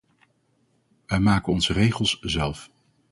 Wij maken onze regels zelf.